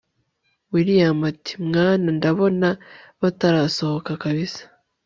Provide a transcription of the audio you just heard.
william ati mwana ndabona batarasohoka kabsa